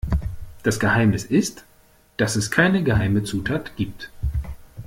Das Geheimnis ist, dass es keine geheime Zutat gibt.